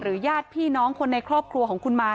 ญาติพี่น้องคนในครอบครัวของคุณมา